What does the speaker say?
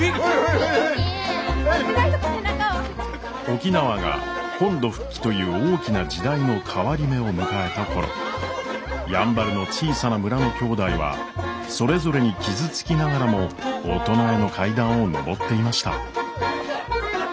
沖縄が本土復帰という大きな時代の変わり目を迎えた頃やんばるの小さな村のきょうだいはそれぞれに傷つきながらも大人への階段を上っていました。